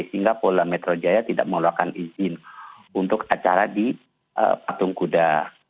sehingga polda metro jaya tidak mengeluarkan izin untuk acara di patung kuda